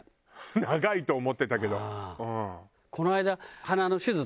長いと思ってたけど。